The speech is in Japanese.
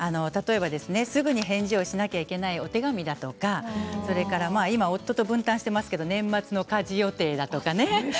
すぐに返事をしなきゃいけないお手紙だとか今、夫と分担していますが年末の家事予定だとかね。